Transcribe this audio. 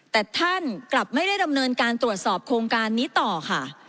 แต่ท่านกลับไม่ได้ดำเนินการตรวจสอบโครงการนี้ต่อค่ะ